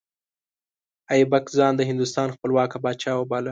ایبک ځان د هندوستان خپلواک پاچا وباله.